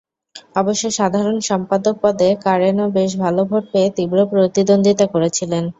অবশ্য সাধারণ সম্পাদক পদে কারেনও বেশ ভালো ভোট পেয়ে তীব্র প্রতিদ্বন্দ্বিতা করেছিলেন।